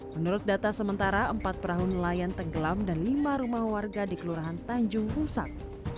menurut data sementara empat perahu nelayan tenggelam dan lima rumah warga di kelurahan tanjung rusak